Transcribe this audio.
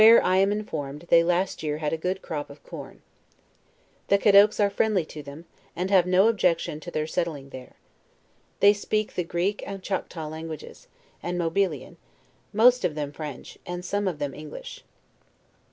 am informed, they last year had a good crop of corn. The Caddoques are friendly to them, and have no objection to their sattling there. They speak the Greek and Chataw language's, and Mobilian; most of them French, and seme of them English.